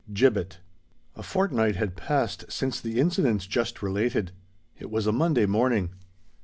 GIBBET. A fortnight had passed since the incidents just related. It was a Monday morning.